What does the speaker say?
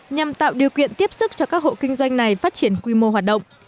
nhằm tạo điều kiện tiếp sức cho các hộ kinh doanh này phát triển quy mô hoạt động